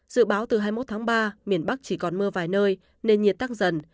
dự báo từ hai mươi một tháng ba miền bắc chỉ còn mưa vài nơi nên nhiệt tăng dần